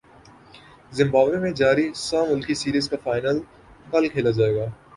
Zimbabwe میں جاری سہ ملکی سیریز کا فائنل کل کھیلا جائے گا